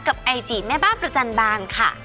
ไอจีแม่บ้านประจันบานค่ะ